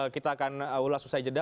kita akan ulas usai jeda